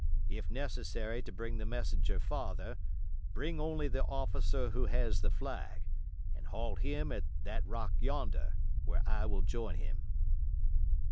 If necessary to bring the messenger farther, bring only the officer who has the flag, and halt him at that rock yonder, where I will join him."